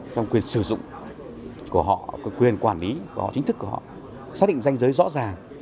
giao quyền sử dụng của họ quyền quản lý chính thức của họ xác định danh giới rõ ràng